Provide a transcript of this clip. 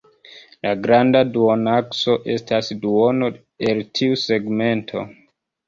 La granda duonakso estas duono el tiu segmento.